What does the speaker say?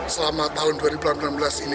selama tahun dua ribu delapan belas ini